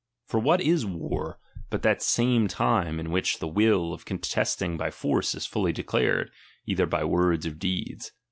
For Tiie,!pfiDiti™of wliat is WAR, but that same time in which the"""" ^"^' wU of contesting by force is fully declared, either by words or deeds